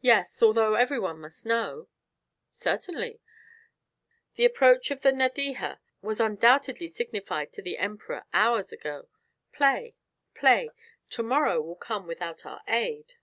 "Yes. Although every one must know." "Certainly. The approach of the Nadeja was undoubtedly signified to the Emperor hours ago. Play, play; to morrow will come without our aid."